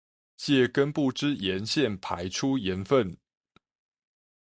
藉根部之鹽腺排出鹽分